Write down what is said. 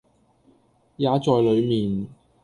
也在裏面，